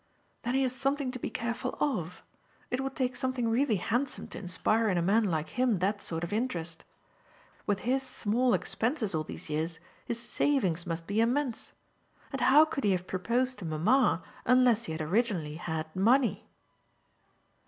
"Then he has something to be careful of; it would take something really handsome to inspire in a man like him that sort of interest. With his small expenses all these years his savings must be immense. And how could he have proposed to mamma unless he had originally had money?"